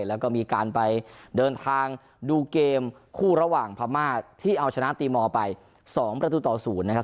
แล้วก็มีการไปเดินทางดูเกมคู่ระหว่างพม่าที่เอาชนะตีมอลไป๒ประตูต่อ๐นะครับ